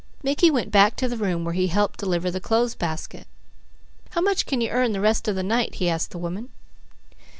Mickey went back to the room where he helped deliver the clothes basket. "How much can you earn the rest of the night?" he asked the woman.